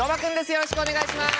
よろしくお願いします。